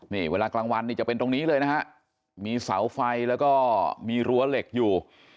นี่เวลากลางวันนี่จะเป็นตรงนี้เลยนะฮะมีเสาไฟแล้วก็มีรั้วเหล็กอยู่